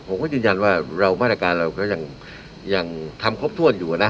ผมก็ยืนยันว่าเรามาตรการเราก็ยังทำครบถ้วนอยู่นะ